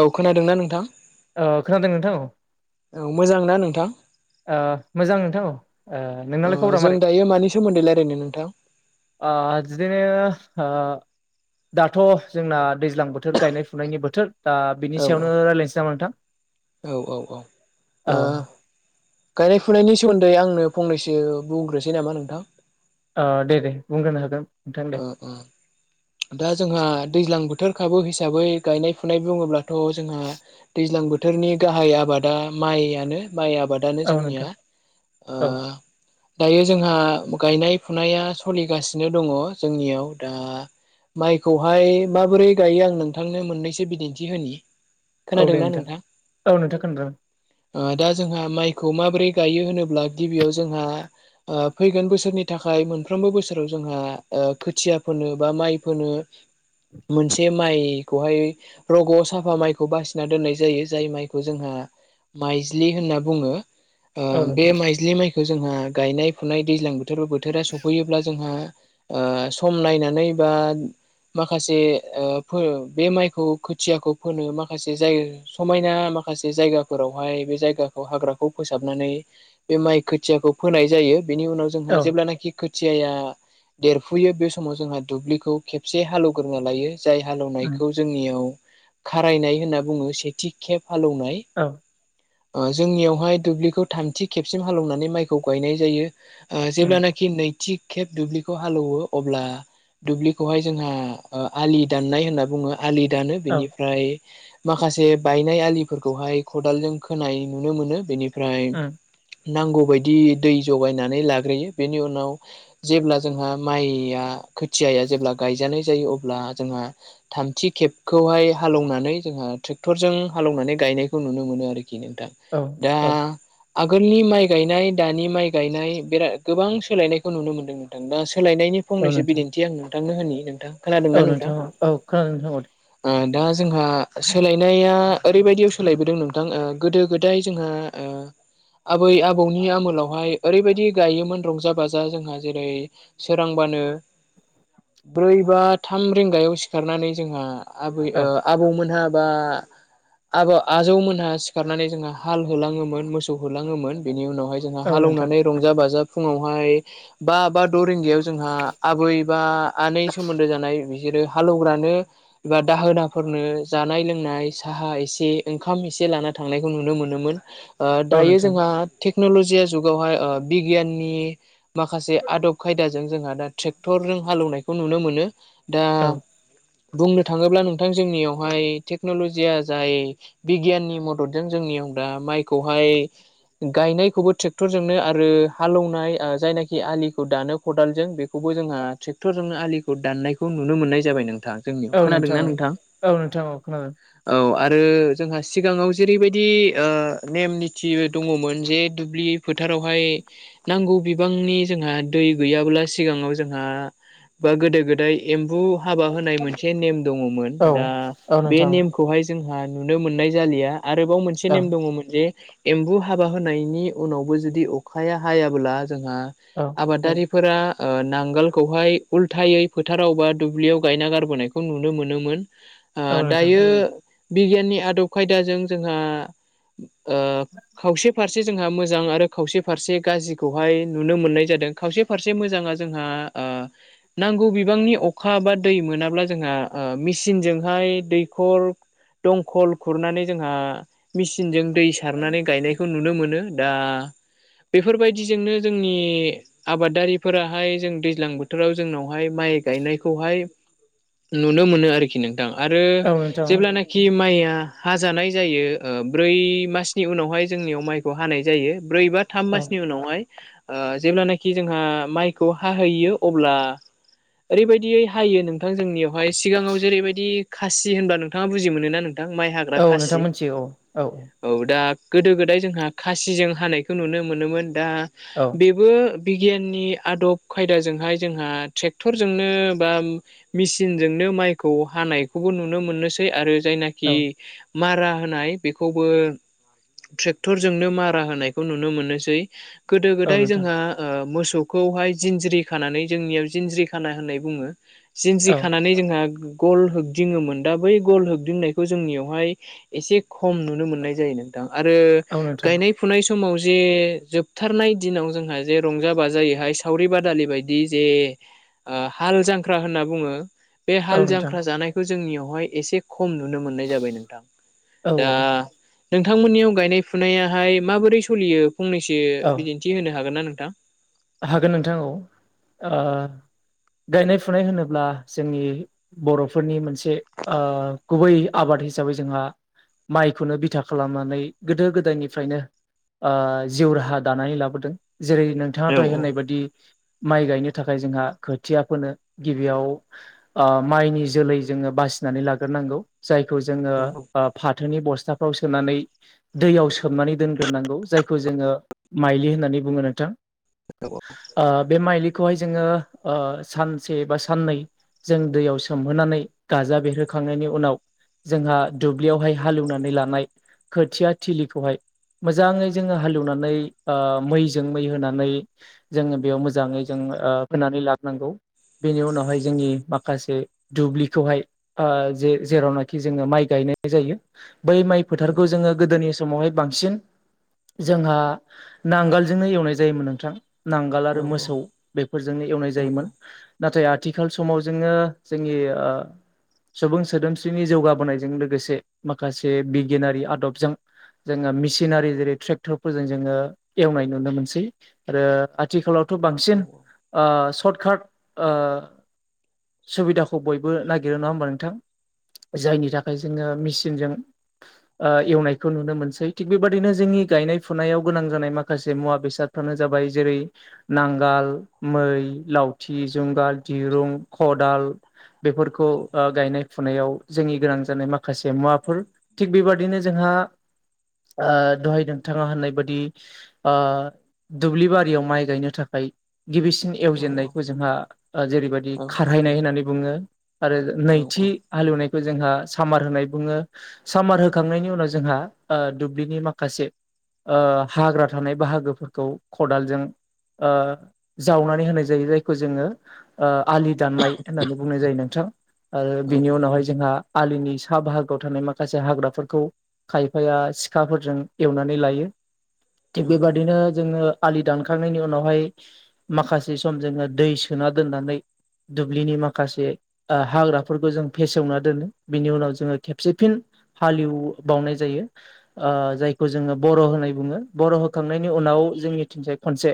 औ खोनादों ना नोंथां? ओ खोनादों नोंथां औ। औ मोजां ना नोंथां? ओ मोजां नोंथां औ, ओ नोंनालाय खबरा जों मारै? दायो मानि सोमोन्दै रायलायनो नोंथां आ आज दिनो दा दाथ' जोंना दैज्लां बोथोर गायनाय- फुनायनि बोथोर। दा बिनि औ सायावनो रायज्लायनोसै नामा नोंथां? औ औ औ। औ ओ गायनाय- फुनायनि सोमोन्दै आंनो फंनैसो बुंग्रोसै नामा नोंथां? अ दे दे बुंग्रोनो हागोन। नोंथां दे अ अ,, दा जोंहा दैज्लां बोथोरखाबो हिसाबै गायनाय- फुनाय बुङोब्ला थ' जोंहा दैज्लां बोथोरनि गाहाय आबादा माइयानो। माइ आबादानो औ जोंनिया नोंथां ओ औ दायो जोंहा गायनाय- फुनाया स लिगासिनो दङ जोंनियाव दा माइखौहाय माबोरै गायो आं नोंथांनो मोननैसो बिदिन्थि होनि औ दे नोंथां, औ नोंथां खोनादों आं ओ दा जोंहा माइखौ माबोरै गायो होनोब्ला गिबियाव जोंहा ओ फैगोन बोसोरनि थाखाय मोनफ्रोमबो बोसोराव जोंहा ओ खोथिया फोनो बा माइ फोनो मोनसे माइ खौहाय रग' साफा माइखौ बासिना दोननाय जायो जाय माइखौ जोंहा,, माइजिलि होनना बुङो। औ ओबे नोंथां माइज्लि माइखौ जोंहा गायनाय फुनाय दैज्लां बोथोर बोथोरा सफैयोब्ला जोंहा,, सम नायनानै बा,, माखासे फोयो बे माइखौ खोथियाखौ फोनो माखासे जाय समायना,, माखासे जायगाफोरावहाय बे जायगाखौ हाग्राखौ फोसाबनानै बे माइ खोथियाखौ फोनाय जायो। बेनि उनाव जोंहा औ जेब्लानिकि खोथियाया देरफुयो बे समाव जोंहा, दुब्लिखौ खेबसे हालेवग्रोना लायो जाय उम हालेवनायखौ जोंनियाव,, खारायनाय होनना बुङो सेथि खेब हालौनाय,,, औ जोंनियावहाय दुब्लिखौ थामथि खेबसिम हालौवनानै माइखौ गायनाय जायो । उम जेब्लानाखि नैथि खेब दुब्लिखौ हालौवो अब्ला,,, दुब्लिखौहाय जोंहा आलि दाननाय होनना बुङो ।आलि दानो औ बिनिफ्राय,, माखासे बायनाय आलिफोरखौहाय खदालजों खोनाय नुनो मोनो बेनिफ्राय,, उम नांगौबायायदि दै जगायनानै लाग्रोयो बेनि उनाव जेब्ला जोंहा माइया खोथियाया जेब्ला गायजानाय जायो अब्ला जोंहा थामथि खेबखौहाय हालौनानै जोंहा ट्रेक्टरजों हालौनानै गायनायखौ नुनो मोनो आरोखि नोंथां औ दा औ आगोलनि माइ गायनाय दानि माइ गायनाय बिराद गोबां सोलायनायखौ नुनो मोन्दों नोंथां दा सोलायनायनि औ फंनैसो नोंथां बिदिन्थि आं नोंथांनो होनि नोंथां खोनादोंना औ नोंथां औ औ खोनादों नोंथां औ दे ओ दा जोंहा सोलायनाया ओरैबायदियाव सोलायबोदों नोंथां ओ गोदो गोदाय जोंहा ओ आबै आबौनि आमोलावहाय ओरैबायदि गायोमोन रंजा बाजा जोंहा जेरै सोरांबा बानो [unintelligible] ब्रै बा थाम रिंगायाव सिखारनानै जोंहा आबै औ ओ आबौमोनहा बा आब आजौमोनहा सिखारनानै जोंहा हाल होलाङोमोन मोसौ होलाङोमोन बेनि उनाव जोंहा औ नोंथां हालौनानै रंजा बाजा फुङावहाय बा बा द' रिंगायाव जोंहा आबै बा आनै सोमोन्दो जानाय बि सोरो हालौवग्रानो एबा दाहोनाफोरनो जानाय लोंनाय साहा एसे ओंखाम एस से लाना थांनायखौ नुनो मोनोमोन। ओ औ दायो नोंथां जोंहा टेक्न'लजिया जुगावहाय ओ बिगियाननि माखासे आदब खायदाजों जोंहा दा ट्रेक्टरजों हालौवनायखौ नुनो मोनो। दा औ बुंनो थाङोब्ला नोंथां जोंनियावहाय टेक्न'लजिया जाय बिगियाननि मददजों जोंनियाव दा माइखौहाय गायनायखौबो ट्रेक्टरजोंनो आरो हालौनाय ओ जायनाखि आलिखौ दानो खदालजों बेखौ बो जोंहा ट्रेक्टरजोंनो आलिखौ दाननायखौ नुनो मोननाय जाबाय नों थां जोंनियाव औ खोनादोंना औ नोंथां औ नोंथां औ खोनादों औ आ रो जोंहा सिगाङाव जेरैबायदि ओ नेम निथि दङमोन जे दुब्लि फोथार रावहाय नांगौ बिबांनि जोंहा दै गैयाब्ला सिगाङाव जोंहा बा गोदो गोदाय एम बु हाबा होनाय मोनसे नेम दङमोन दा औ बे नोंथां नेमखौहाय जोंहा नुनो मोननाय जालिया आरोबाव मोनसे नेम औ दङमोन जे एम्बु हाबा होनायनि उनावबो जुदि अखाया हायाब्ला जोंहा औ आबादारिफोरा ओ नांगोलखौहाय उल्थायै फोथाराव बा दुब्लियाव गायना गारबोनायखौ नुनो मोनोमोन। ओ औ नोंथां दायो बिगियाननि आदब खायदाजों जोंहा ओ खावसे फारसे जोंहा मोजां आरो खावसे फारसे गाज्रिखौहाय नुनो मोननाय जादों खावसे फारसे मो जां आ जोंहा ओ नांगौ बिबांनि अखा बा दै मोनाब्ला जोंहा ओ मिसिनजों हाय दैखर दंकल खुरनानै जोंहा मिसिनजों दै सारनानै गायनायखौ नुनो मोनो। दा बेफोरबायदिजोंनो जोंनि आबादारि फोराहाय जों दैज्लां बोथोराव जोंनावहाय माइ गायनायखौहाय नुनो मोनो आरोखि नोंथां आरो औ नोंथां जेब्लानोखि माइया आ हाजानाय जायो ओ ब्रै मासनि उनावहाय जोंनियाव माइखौ हानाय जायो ब्रै बा थाम औ मासनि उनावहाय ओ जेब्लानोखि जोंहा माइखौ हाहैयो अब्ला ओरैबायदियै हायो नोंथां जोंनियावहाय सिगाङाव जेरैबायदि खासि होनबा नोंथाङा बुजि मोनो ना नों थां माइ हाग्रा औ नोंथां खासि मोनथियो औ दा गोदो गोदाय जोंहा खासिजों हानायखौ नुनो मोनोमोन दा औ बेबो बिगियाननि आदब खायदाजोंहाय जोंहा ट्रेक्टरजोंनो बा मेसिनजोंनो माइखौ हा नायखौबो नुनो मोननोसै आरो औ जायनाखि मारा होनाय बेखौबो ट्रेक्टर जोंनो मारा होनायखौ नुनो मोननोसै गोदो औ गोदाय नोंथां जोंहा ओ मोस सौखौहाय जिन्ज्रि खानानै जोंनियाव जिन्ज्रि खाना होननाय बुङो जिन्ज्रि औ खानानै जोंहा गल होगदिङोमोन दा बै गल होगदिंनायखौ जोंनियावहाय एसे खम नुनो मोननाय जायो नोंथां। आरो औ नोंथां गायनाय फुनाय समाव जे जोबथारनाय दिनाव जोंहा जे रंजा बाजायो बेहाय सावरि बादालि बायदि जे ओ हाल जांख्रा होनना बुङो बे औ हाल नोंथां जांख्रा जानायखौ जोंनियावहाय एसे खम नुनो मोननाय जाबाय नोंथां औ दा औ नोंथांमोननियाव गायनाय फुनायाहाय माबोरै सोलियो फंनैसो औ बिदिन्थि होनो हागोन ना नों थां? हागोन नोंथां औ ओ गायनाय फुनाय होनोब्ला जोंनि बर'फोरनि मोनसे ओ गुबै आबाद हिसाबै जोंहा माइखौनो बिथा खालामनानै गोदो गोदायनिफ्रायनो आ जिउ राहा दानानै लाबोदों जेरै औ नोंथाङाथह होननाय बायदि माइ गायनो थाखाय जोंहा खोथिया फोनो गिबियाव ओ माइनि जोलै जोङो बासिनानै लाग्रो नांगौ, जायखौ जोङो औ फाथोनि बस्था याव सोनानै दैयाव सोमनानै दोनग्रोनांगौ जायखौ जोङो माइलि होननानै बुङो नोंथां। औ ओ बे माइलिखौहाय जोङो ओ सानसे बा साननै जों दैयाव सोमहोनानै गाजा बेरहोखांनायनि उनाव जोंहा दुब्लियावहाय हालेवनानै लानाय खोथिया थिलिखौहाय मोजाङै जोङो हालेवनानै ओ मैजों मै होनानै जोङो बेयाव मोजाङै जों फोनानै लाबोनांगौ। बेनि उनावहाय जोंनि माखासे दुब्लिखौहाय जे जेरावनाखि जोङो माइ गाय नाय जायो बै माइ औ फोथारखौ जोङो गोदोनि समावहाय बांसिन जोंहा नांगोलजोंनो एवनाय जायोमोन नोंथां, नांगोल आरो औ मोसौ बे फोरजोंनो एवनाय औ जायोमोन नाथाय आथिखाल समाव जोङो जोंनि ओ सुबुं सोदोमस्रिनि जौगाबोनायजों लोगोसे माखासे बिगियानारि आदबजों जोङो मेसिनारि जेरै ट्रेक्टरफोरजों जोङो एवनाय नुनो मोनसै। आरो आथिखालावथ' बांसिन औ औ ओ सर्ट काट ओ सुबिदाखौ बयबो नागिरो नङा होमबा नोंथां? जायनि थाखाय जोङो मेचिनजों ओ एवनायखौ नुनो मोनसै थिग बेबादिनो जोंनि गायनाय फुनायाव गोनां जानाय माखासे मुवा बेसादफ्रानो जाबाय जेरै नांगाल, मै, लावथि, जुंगाल, दिरुं, खदाल बेफोरखौ ओ गायनाय फुनायाव जोंनि गोनां जानाय माखासे मुवाफोर। थिग बेबादिनो जोंहा ओ दहाय नोंथाङा होननाय बायदि आ दुब्लि बारियाव माइ गायनो थाखाय गिबिसिन एवजेननायखौ जोंहा जेरैबायदि खारहैनाय होननानै बुङो। आरो नैथि हालेवनायखौ जोंहा सामार होननाय बुङो। सामार होखांनायनि उनाव जोंहा ओ दुब्लिनि माखासे हाग्रा थानाय बाहागोफोर खौ खदालजों ओ जावनानै होनाय जायो जायखौ जोङो आलि दाननाय होननानै बुंनाय जायो नोंथां ओ बिनि उनावहाय जोंहा आलिनि सा बाहागोआव थानाय माखासे हाग्राफोरखौ खायफाया सिखाफोरजों एवनानै लायो। थिग बे बादिनो जोङो आलि दानखांनायनि उनावहाय माखासे सम जोङो दै सोना दोननानै दुब्लिनि माखासे हाग्राफोरखौ जों फेसेवना दोनो बिनि उनाव जोङो खेबसेफिन हालेव बावनाय जायो। ओ जायखौ जोङो बर' होनाय बुङो बर' होखांनायनि उनाव जोंनिथिंसाय खनसे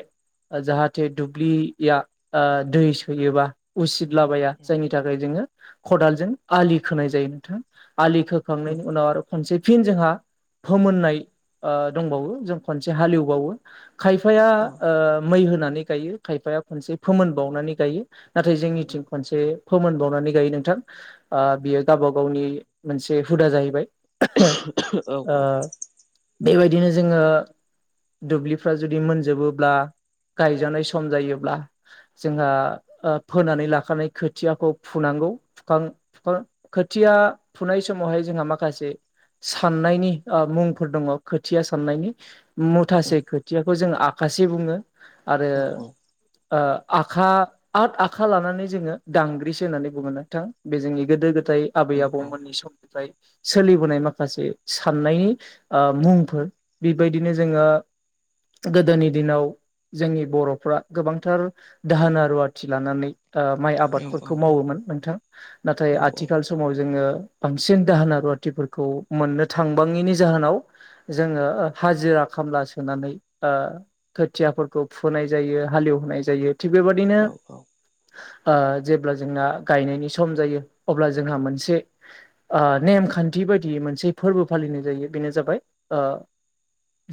जाहाथे दुब्लिया दै सोयोबा उसिद लाबाया जायनि थाखाय जोङो खदालजों आलि खोनाय जायो नोंथां आलि खोखांनायनि उनाव आरो खनसे फिन खायफाया ओ मै होनानै गायो खायफाया खनसे फोमोन बावनानै गायो। नाथाय जोंनिथिं मोनसे फोमोन बावनानै गायो नोंथां बियो गावबा गावनि मोनसे हुदा जाहैबाय ओह [inaudible] ओ बेबायदिनो जोङो दुब्लिफ्रा जुदि मोनजोबोब्ला गायजानाय सम जायोब्ला, जोंहा फोनानै लाखानाय खोथियाखौ फुुनां गौ फुखां फुखां खोथिया फुनाय समावहाय जोंहा माखासे साननायनि ओ मुंफोर दङ खोथिया साननायनि मु थासे खोथियाखौ जों आखासे बुङो आरो आखा आद आखा लानानै जोंङो दांग्रिसो होननानै बुङो नोंथां बे जोंनि गोदो गोदायनि नाथाय आबै आबौमोननि सम फ्राय सोलिबोनाय माखासे साननायनि मुंफोर बेबायदिनो जोंङो गोदोनि दिनाव जोंनि बर'फ्रा गोबांथार दाहोना रुवाथि लानानै ओ माइ आबादफोरखौ मावोमोन नोंथां। नाथाय आथिखाल समाव जोंङो बांसिन दाहोना रुवाथिफोरखौ मोननो थांबाङैनि जाहोनाव जोंङो हाजिरा खाम ला होनानै खोथियाफोरखौ फुहोनाय जायो हालेवहोनाय जायो थिग बेबदिनो ओह जेब्ला जोंना गायनायनि सम जायो अब्ला जोंहा मोनसे ओह नेमखान्थि बायदि मोनसे फोरबो फालिनाय जायो बेनो जाबाय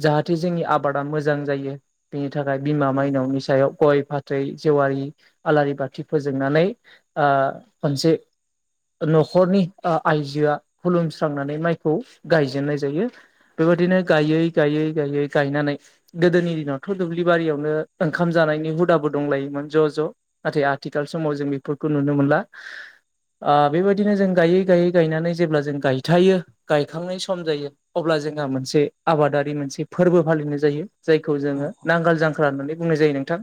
जाथ जाहाथे जोंनि आबादा मोजां जायो बेनि थाखाय बिमा माइनावनि सायाव गय फाथै बै जेवारि आलारि बाथि फोजोंनानै ओह खनसे न'खरनि ओ आइजोआ खुलुमस्रांनानै माइखौ गायजेननाय जायो। बेबायदिनो गायै गायै गायै गायनानै गोदोनि दिनावथ' दुब्लि बारियावनो ओंखाम जानायनि हुदाबो दंलायोमोन ज ए नाथाय आथिखाल समाव जों बेफोरखौ नुनो मोनला। ओ बेबायदिनो जों गायै गायै गायनानै जेब्ला जों गायथायो गायखांनाय सम जायो अब्ला जोंहा मोनसे आबादारि मोनसे फोरबो फालिनाय जायो जायखौ जोंङो नांगोल जांख्रा होननानै बुंनाय जायो नोंथां।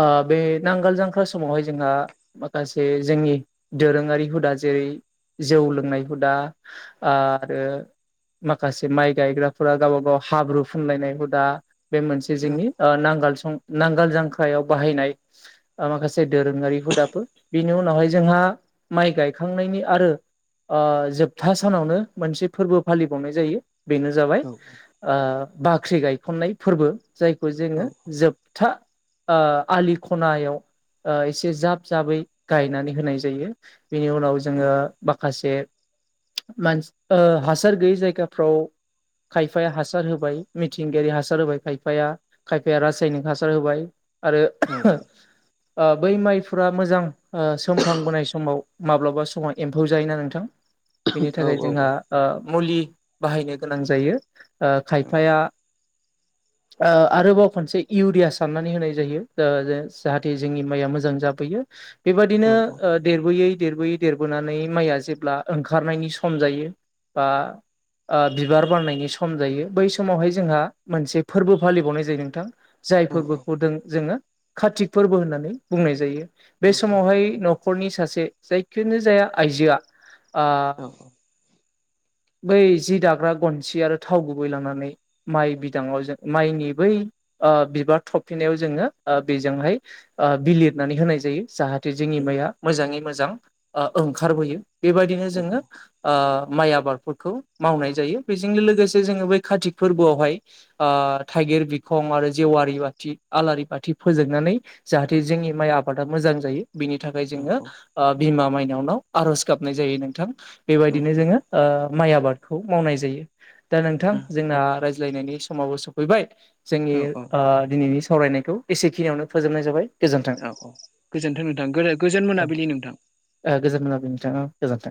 ओह बे नांगोल जांख्रा समावहाय जोंहा माखासे जोंनि दोरोङारि हुदा जेरै जौ लोंनाय हुदा आरो माखासे माइ गायग्राफोरा गावबा गाव बोव हाब्रु फुनलायनाय हुदा बे मोनसे जोंनि नांगोल सं नांगाल जांख्रायाव बाहायनाय माखासे दोरोङारि हुदाफोर बिनि उनावहाय जोंहा माइ गायखांनायनि आरो ओ जोबथा सानावनो मोनसे फोरबो फालिबावनाय जायो। बेनो जाबाय ओह बाख्रि गायखननाय फोरबो। जायखौ जोंङो जोबथा ओह आलि खनायाव ओ एसे जाब जाबै गायनानै होनाय जायो बेनि उनाव जोंङो माखासे हासार गैयै जायगाफ्राव खायफाया हासार हासार होबाय मिथिंगायारि हासार होबाय खायफाया खायफाया रासायनिक हासार होबाय। आरो बै माइफोरा मोजां सोमखांबोनाय समाव माब्लाबा समाव एम्फौ जायोना नोंथां बिनि थाखाय जोंहा ओह मुलि बाहायनो गोनां जायो। ओह खायफाया ओ आरोबाव खनसे इउरिया साननानै होनाय जायो जाहाथे जोंनि माइया मोजां जाबोयो । बेबादिनो देरबोयै देरबोयै देरबोनानै माइआ जेब्ला ओंखारनायनि सम जायो बा ओ बिबार बारनायनि सम सम जायो बै समावहाय जोंहा मोनसे फोरबो फालिबावनाय जायो नोंथां जाय फोरबोखौ जोंङो कारतिक फोरबो होननानै बुंनाय जायो बे समावहाय न'खरनि सासे जायखि जाया आइजोआ आह औ बै जि दाग्रा गनसि आरो थाव गुबै लांनानै माइ बिदांङाव जों माइनि बै बिबार थबफिन्नायाव जोंङो ओ बेजोंहाय बिलिरनानै होनाय जायो जाहाथे जोंनि नंगौ माइया मोजाङै मोजां मोजां ओ ओंखारबोयो बेबायदिनो जोंङो आह माइ आबादफोरखौ मावनाय जायो। बेजोंनो लोगोसे जों बै कातिक फोरबोआवहाय थाइगेर बिखं आरो जेवारि बाथि आलारि बाथि फोजोंनानै जाहाथे जोंनि माइ आबादा मोजां जायो बिनि थाखाय जोंङो नंगौ ओ बिमा माइनावनाव आर'ज गाबनाय जायो नोंथां नंगौ बेबायदिनो जोंङो माइ आबादखौ मावनाय जायो। [inaudible] दा नोंथां जोंना रायज्लायनायनि समावबो सफैबाय जोंनि औ औ आह दिनैनि सावरायनायखौ एसेखिनियावनो फोजोबनाय जाबाय। गोजोन्थों औ औ गोजोनथों नोंथां गोजोन मोनाबिलि नोंथां। गोजोनथों।